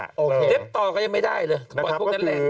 เล็บต่อก็ยังไม่ได้เลย